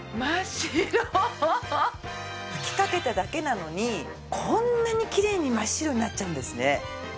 吹きかけただけなのにこんなにキレイに真っ白になっちゃうんですね。